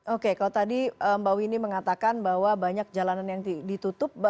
oke kalau tadi mbak winnie mengatakan bahwa banyak jalanan yang ditutup